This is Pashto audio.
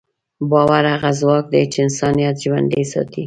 باور هغه ځواک دی چې انسانیت ژوندی ساتي.